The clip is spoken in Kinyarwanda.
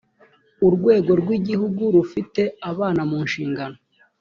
urwego rw igihugu rufite abana mu nshingano